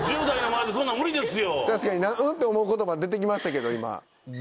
確かにん？と思う言葉出てきましたけど今。